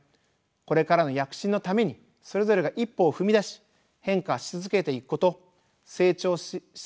これからの躍進のためにそれぞれが一歩を踏み出し変化し続けていくこと成長し続けていくことです。